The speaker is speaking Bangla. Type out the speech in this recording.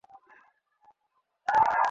তারই একপাশে একটি ছোটো ঘর।